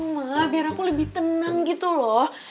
mah biar aku lebih tenang gitu loh